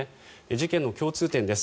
事件の共通点です。